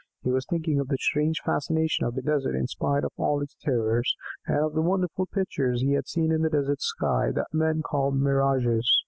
He was thinking of the strange fascination of the desert in spite of all its terrors, and of the wonderful pictures he had seen in the desert sky that men called "mirages."